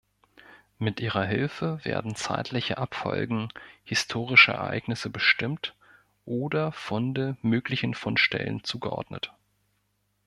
Mit ihrer Hilfe werden zeitliche Abfolgen historischer Ereignisse bestimmt oder Funde möglichen Fundstellen zugeordnet.